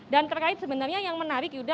dan terkait sebenarnya yang menarik yuda